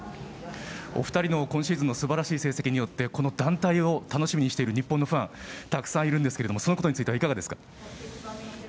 お二人の今シーズンのすばらしい成績によって団体を楽しみにしている日本のファンたくさんいるんですがそのことについてはいかがですか。